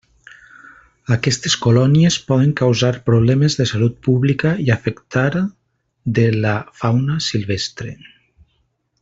Aquestes colònies poden causar problemes de salut pública i afectar de la fauna silvestre.